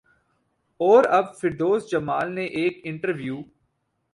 اور اب فردوس جمال نے ایک انٹرویو